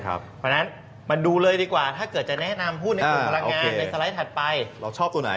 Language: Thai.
เพราะฉะนั้นมาดูเลยดีกว่าถ้าเกิดจะแนะนำหุ้นในกลุ่มกำลังงานในสไลด์ถัดไป